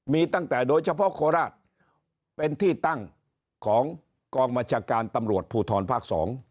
มีตั้งแต่โดยเฉพาะโคราชเป็นที่ตั้งของกองบัญชาการตำรวจภูทรภาค๒